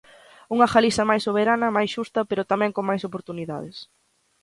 Unha Galiza máis soberana, máis xusta, pero tamén con máis oportunidades.